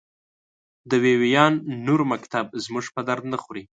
د وي ویان نور مکتوب زموږ په درد نه خوري.